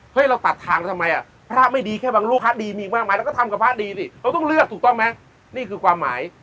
เฮ้ยเราตัดทางทำไมพระไม่ดีแค่บางรูปพระดีมีว่ะก็ต้องเลือกถูกตอนมั้ย